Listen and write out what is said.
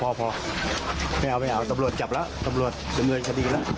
พอไม่เอาตำรวจจับละถมืดคดีละ